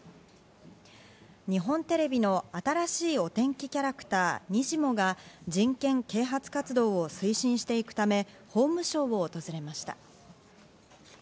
日本テレビの新しいお天気キャラクター・にじモが人権啓発活動を推進していくため法務省を訪れました。